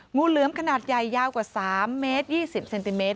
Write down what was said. งูเหลือมขนาดใหญ่ยาวกว่า๓เมตร๒๐เซนติเมต